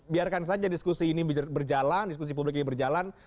biarkan saja diskusi ini berjalan diskusi publik ini berjalan